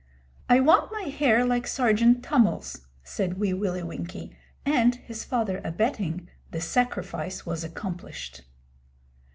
'I want my hair like Sergeant Tummil's,' said Wee Willie Winkie, and, his father abetting, the sacrifice was accomplished.